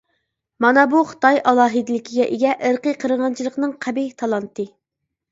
مانا بۇ خىتاي ئالاھىدىلىكىگە ئىگە ئىرقىي قىرغىنچىلىقنىڭ قەبىھ تالانتى.